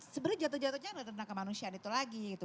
sebenarnya jatuh jatuhnya adalah tenaga manusia itu lagi gitu